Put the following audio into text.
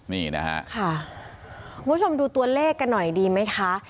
นี่นะคะค่ะคุณผู้ชมดูตัวเลขกันหน่อยดีไหมคะ